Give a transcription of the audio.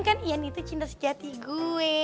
kan ian itu cinta sejati gue